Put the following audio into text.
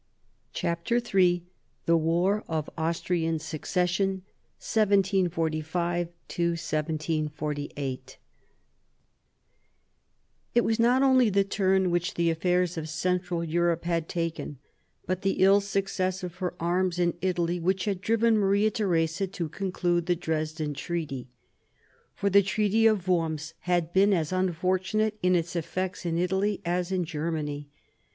"V CHAPTER III THE WAR OF THE AUSTRIAN SUCCESSION (continued) 1745 1748 It was not only the turn which the affairs of Central Europe had taken, but the ill success of her arms in Italy, which had driven Maria Theresa to con clude the Dresden treaty. For the Treaty of Worms had been as unfortunate in its effects in Italy as in Germany.